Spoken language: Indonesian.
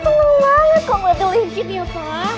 aku tuh lelah kok gak tuh legit ya pak